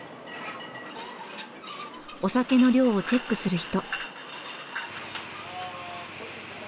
お酒の量をチェックする人。